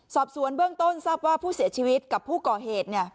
สอบสวนเบื้องต้นทราบว่าผู้เสียชีวิตกับผู้ก่อเหตุ